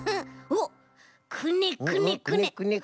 おっくねくねくね。